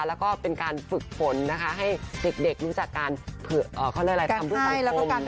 แล้วก็เป็นการฝึกฝนให้เด็กรู้จักการเขาเรียกอะไรทำเพื่อสังคม